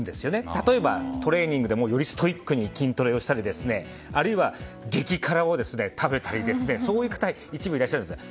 例えば、トレーニングでもよりストイックに筋トレをしたりあるいは激辛を食べたりそういった方が一部いらっしゃるんですよ。